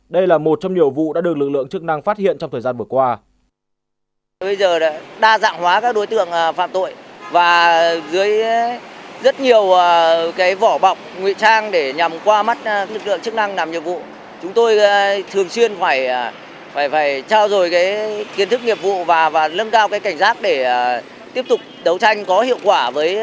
đây là một trong nhiều vụ đã được lực lượng chức năng phát hiện trong thời gian vừa qua